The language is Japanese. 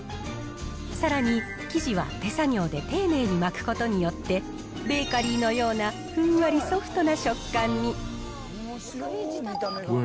さらに生地は手作業で丁寧に巻くことによって、ベーカリーのようなふんわりソフトな食感に。